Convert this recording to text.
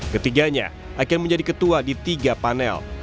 ketiganya akan menjadi ketua di tiga panel